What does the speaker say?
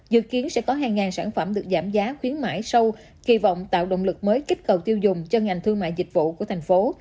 dự kiến sẽ có hàng ngàn sản phẩm được giảm giá khuyến mại sâu kỳ vọng tạo động lực mới kích cầu tiêu dùng cho ngành thương mại dịch vụ của thành phố